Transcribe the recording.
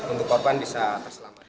untuk korban bisa terselamat